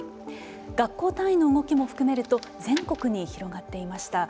学校単位の動きも含めると全国に広がっていました。